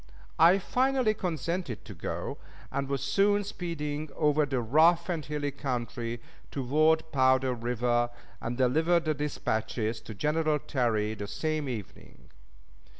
I finally consented to go, and was soon speeding over the rough and hilly country toward Powder River, and delivered the dispatches to General Terry the same evening.